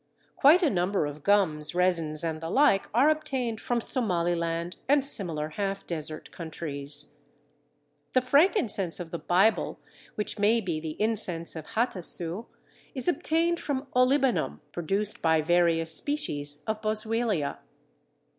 Quite a number of gums, resins, and the like, are obtained from Somaliland and similar half desert countries. The frankincense of the Bible, which may be the incense of Hatasu, is obtained from Olibanum produced by various species of Boswellia.